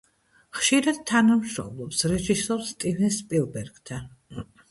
ხშირად თანამშრომლობს რეჟისორ სტივენ სპილბერგთან.